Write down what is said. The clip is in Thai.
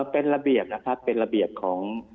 เป็นระเบียบนะครับเป็นระเบียบของ